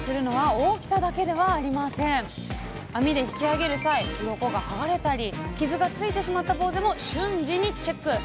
網で引き上げる際うろこが剥がれたり傷がついてしまったぼうぜも瞬時にチェック。